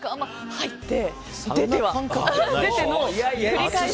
入って、出ての繰り返しで。